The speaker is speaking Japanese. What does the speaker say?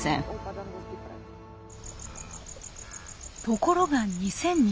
ところが２０２０年。